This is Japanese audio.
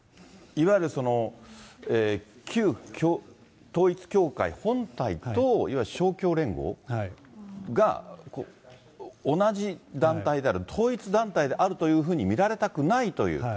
いわゆる旧統一教会本体と、いわゆる勝共連合が同じ団体である、統一団体であるというふうに見られたくないという。